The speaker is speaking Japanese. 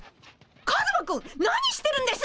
カズマくん何してるんです？